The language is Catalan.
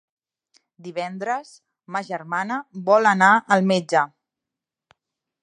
Divendres ma germana vol anar al metge.